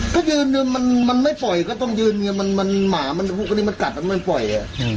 ก็ยืนมันไม่ปล่อยก็ต้องยืนเนี่ยหมามันพวกนี้มันกัดมันไม่ปล่อยอ่ะ